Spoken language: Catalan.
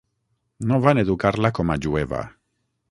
No van educar-la com a jueva.